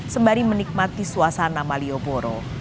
sembari menikmati suasana malioboro